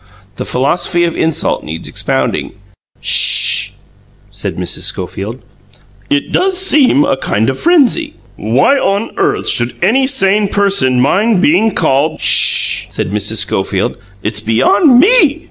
The philosophy of insult needs expounding. "SH!" said Mrs. Schofield. "It does seem a kind of frenzy." "Why on earth should any sane person mind being called " "SH!" said Mrs. Schofield. "It's beyond ME!"